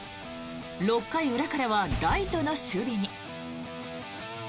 ６回裏からはライトの守備に。